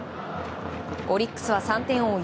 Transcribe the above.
オリックスは３点を追う